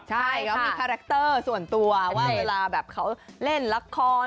ใช่เขามีคาแรคเตอร์ส่วนตัวว่าเวลาแบบเขาเล่นละคร